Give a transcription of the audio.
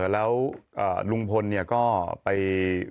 แล้วลุงพลก็ไป